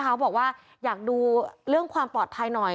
เขาบอกว่าอยากดูเรื่องความปลอดภัยหน่อย